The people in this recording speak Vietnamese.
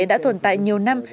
đã tồn tại nhiều năm